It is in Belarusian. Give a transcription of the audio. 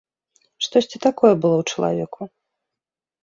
Штосьці такое было ў чалавеку.